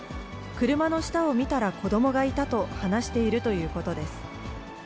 車の下を見たら子どもがいたと話しているということです。